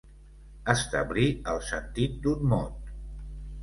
Establí el sentit d'un mot.